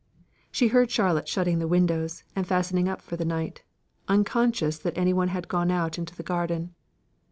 She heard Charlotte shutting the windows, and fastening up for the night, unconscious that any one had gone out into the garden.